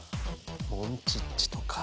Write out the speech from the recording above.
モンチッチとか。